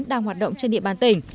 đang hoạt động trên địa bàn tỉnh